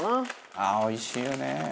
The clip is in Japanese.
「ああおいしいよね」